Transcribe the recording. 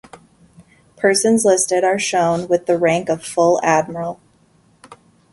Persons listed are shown with the rank of full admiral.